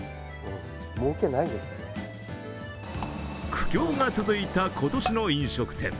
苦境が続いた今年の飲食店。